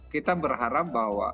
kita berharap bahwa